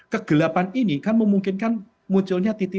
kegelapan ini kan memungkinkan munculnya titik titik